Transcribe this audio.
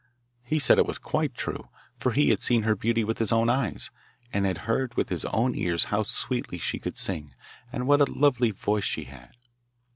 He said it was quite true, for he had seen her beauty with his own eyes, and had heard with his own ears how sweetly she could sing and what a lovely voice she had.